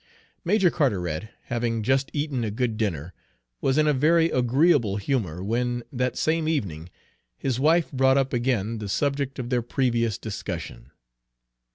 Major Carteret, having just eaten a good dinner, was in a very agreeable humor when, that same evening, his wife brought up again the subject of their previous discussion.